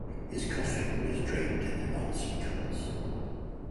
His coffin was draped in the Nazi colours.